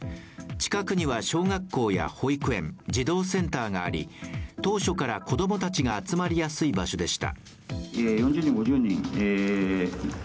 近くには小学校や保育園、児童センターがあり当初から子供たちが集まりやすい場所でした。